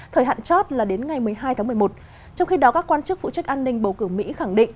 thời hạn chót là đến ngày một mươi hai tháng một mươi một trong khi đó các quan chức phụ trách an ninh bầu cử mỹ khẳng định